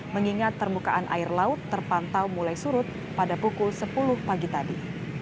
mengingat permukaan air laut terpantau mulai surut pada pukul sepuluh pagi tadi